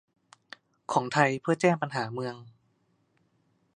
ของไทยเพื่อแจ้งปัญหาเมือง